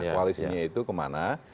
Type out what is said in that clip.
koalisinya itu kemana